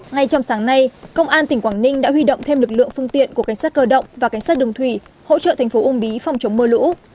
ngay trong sáng nay công an tỉnh quảng ninh đã huy động thêm lực lượng phương tiện của cảnh sát cơ động và cảnh sát đường thủy hỗ trợ thành phố uông bí phòng chống mưa lũ